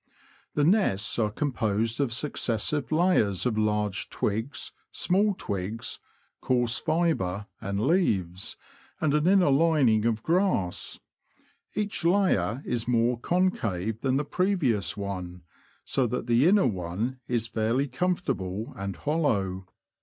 The nests are composed of successive layers of large twigs, small twigs, coarse fibre and leaves, and an inner lining of grass ; each layer is more concave than the previous one, so that the inner one is fairly comfortable and hollow.